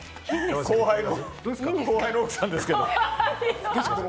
後輩の奥さんですけど。